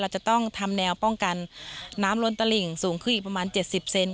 จะต้องทำแนวป้องกันน้ำล้นตลิ่งสูงขึ้นอีกประมาณ๗๐เซน